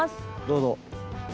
どうぞ。